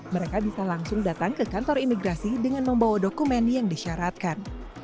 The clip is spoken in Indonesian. mereka bisa langsung datang ke kantor imigrasi dengan membawa dokumen yang disyaratkan